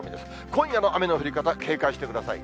今夜の雨の降り方、警戒してください。